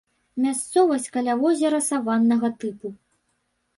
Мясцовасць каля возера саваннага тыпу.